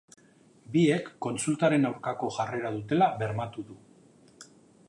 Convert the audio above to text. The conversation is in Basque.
Biek kontsultaren aurkako jarrera dutela bermatu du.